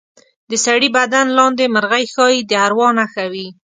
د سړي بدن لاندې مرغۍ ښایي د اروا نښه وي.